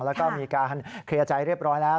แล้วก็มีการเคลียร์ใจเรียบร้อยแล้ว